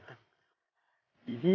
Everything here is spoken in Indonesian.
gak peduli lu